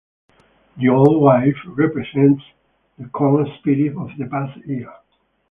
The Old Wife represents the corn spirit of the past year.